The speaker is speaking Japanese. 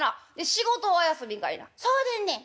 「そうでんねん。